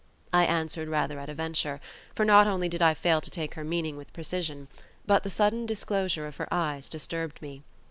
I answered rather at a venture; for not only did I fail to take her meaning with precision, but the sudden disclosure of her eyes disturbed me.